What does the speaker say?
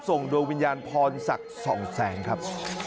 ส่งดวงวิญญาณพรศักดิ์ส่องแสงครับ